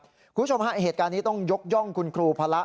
คุณผู้ชมฮะเหตุการณ์นี้ต้องยกย่องคุณครูพระ